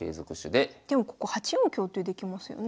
でもここ８四香ってできますよね。